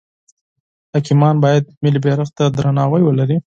حاکمان باید ملی بیرغ ته درناوی ولری.